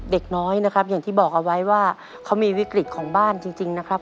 เด็กน้อยนะครับอย่างที่บอกเอาไว้ว่าเขามีวิกฤตของบ้านจริงนะครับ